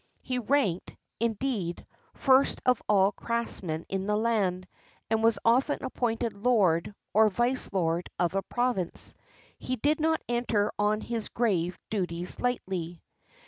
He ranked, indeed, first of all craftsmen in the land, and was often appointed lord or vice lord of a province. He did not enter on his grave duties Hghtly.